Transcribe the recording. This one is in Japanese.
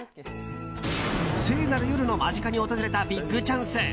聖なる夜の間近に訪れたビッグチャンス。